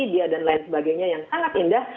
dan lain sebagainya yang sangat indah